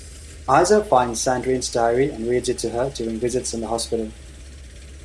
Isa finds Sandrine's diary and reads it to her during visits in the hospital.